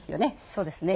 そうですね。